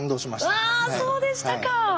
わあそうでしたか。